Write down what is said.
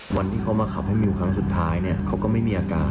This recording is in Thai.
วันที่เขามาขับให้มิวครั้งสุดท้ายเขาก็ไม่มีอาการ